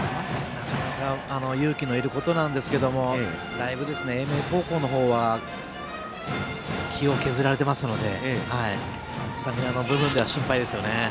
なかなか勇気のいることなんですがだいぶ英明高校の方は削られていますのでスタミナの部分は心配ですよね。